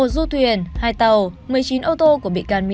một du thuyền hai tàu một mươi chín ô tô của bị can mỹ